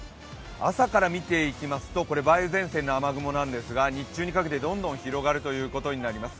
朝から見ていきますとこれ梅雨前線の雨雲なんですが日中にかけてどんどん広がるということになります。